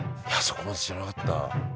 そこまで知らなかった。